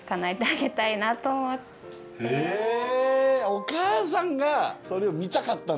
お母さんがそれを見たかったんだ。